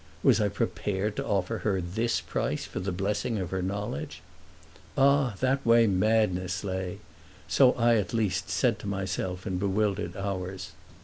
Was I prepared to offer her this price for the blessing of her knowledge? Ah that way madness lay!—so I at least said to myself in bewildered hours.